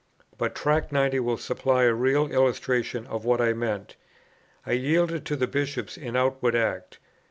But Tract 90 will supply a real illustration of what I meant. I yielded to the Bishops in outward act, viz.